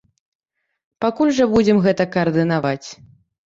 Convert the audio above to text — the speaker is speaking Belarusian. Пакуль жа будзем гэта каардынаваць.